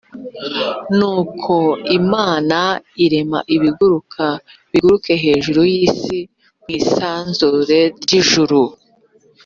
nuko imana irema ibiguruka biguruke hejuru y’isi mu isanzure ry’ijuru